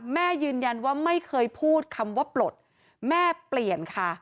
แม่ยืนยันว่าไม่เคยพูดคำว่าปลดแม่เปลี่ยนค่ะ